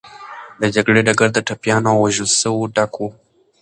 د جګړې ډګر د ټپيانو او وژل سوو ډک و.